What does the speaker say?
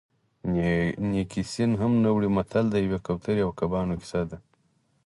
نیکي سین هم نه وړي متل د یوې کوترې او کبانو کیسه ده